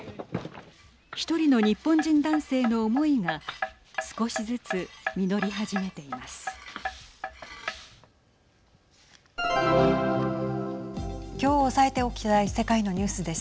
１人の日本人男性の思いが少しずつ実り始めています。